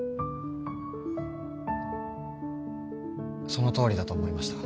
そのとおりだと思いました。